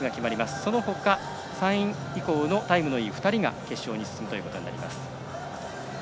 そのほか、３位以降のタイムのいい２人が決勝に進むことになります。